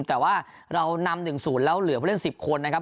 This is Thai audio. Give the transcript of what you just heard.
แต่ว่าเรานำ๑๐แล้วเหลือผู้เล่น๑๐คนนะครับ